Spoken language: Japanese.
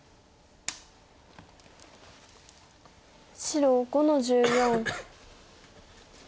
白５の十四。